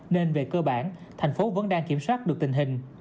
nên về cơ bản thành phố vẫn đang kiểm soát được tình hình